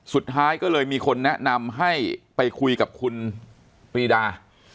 สุดท้ายก็เลยมีคนแนะนำให้ไปคุยกับคุณปรีดา